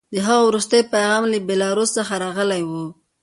د هغه وروستی پیغام له بیلاروس څخه راغلی و